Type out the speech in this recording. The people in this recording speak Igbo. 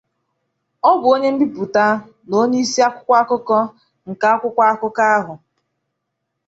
Ọ bụ onye mbipụta na onye isi-akwụkwọ akụkọ nke akwụkwọ akụkọ ahụ.